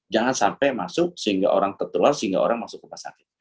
jangan sampai masuk sehingga orang tertular sehingga orang masuk rumah sakit